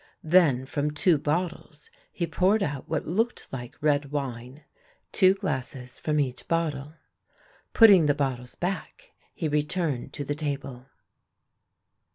Then from two bottles he poured out what looked like red wine, two glasses from each bottle. Putting the bottles back he returned to the table.